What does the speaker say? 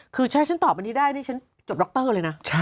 คือถ้าฉันตอบอันนี้ได้นี่ฉันจบดร็อกเตอร์เลยนะ